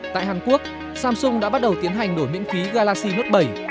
tại hàn quốc samsung đã bắt đầu tiến hành đổi miễn phí galaxy note